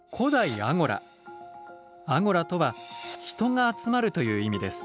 アゴラとは「人が集まる」という意味です。